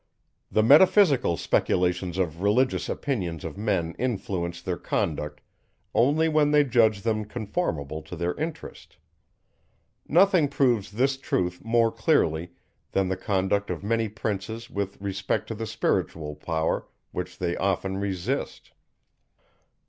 The metaphysical speculations or religious opinions of men influence their conduct, only when they judge them conformable to their interest. Nothing proves this truth more clearly, than the conduct of many princes with respect to the spiritual power, which they often resist.